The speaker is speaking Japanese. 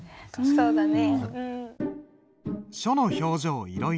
そうだね。